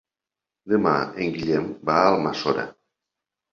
Demà en Guillem va a Almassora.